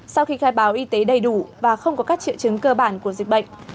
sau khi khai báo y tế đầy đủ và không có các triệu chứng cơ bản của dịch bệnh